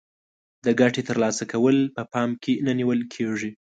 د ګټې تر لاسه کول په پام کې نه نیول کیږي.